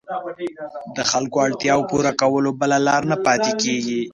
د خلکو اړتیاوو پوره کولو بله لاره نه پاتېږي.